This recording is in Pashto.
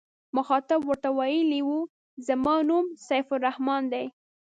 مخاطب ورته ویلي و زما نوم سیف الرحمن دی.